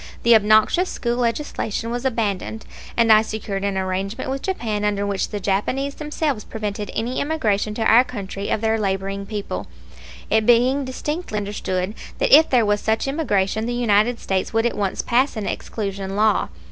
The obnoxious school legislation was abandoned, and I secured an arrangement with Japan under which the Japanese themselves prevented any immigration to our country of their laboring people, it being distinctly understood that if there was such emigration the United States would at once pass an exclusion law.